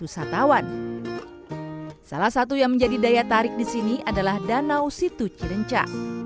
wisatawan salah satu yang menjadi daya tarik di sini adalah danau situ cirenca